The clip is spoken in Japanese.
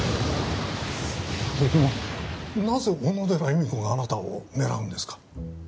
でもなぜ小野寺由美子があなたを狙うんですか？